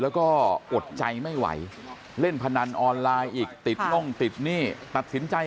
แล้วก็อดใจไม่ไหวเล่นพนันออนไลน์อีกติดน่งติดหนี้ตัดสินใจ